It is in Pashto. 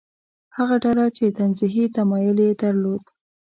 هغه ډله چې تنزیهي تمایل یې درلود.